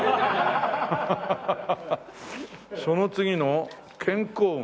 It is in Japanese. その次の健康運